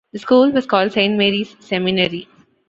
The school was called Saint Mary's Seminary.